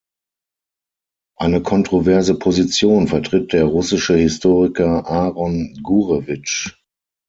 Eine kontroverse Position vertritt der russische Historiker Aron Gurewitsch.